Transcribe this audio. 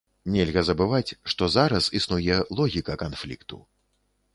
Нельга забываць, што зараз існуе логіка канфлікту.